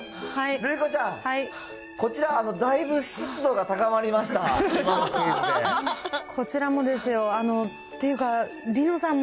瑠璃子ちゃん、こちら、だいぶ湿度が高まりました、今のクイズで。